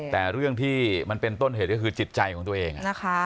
แต่เรื่องที่มันเป็นต้นเหตุก็คือจิตใจของตัวเอง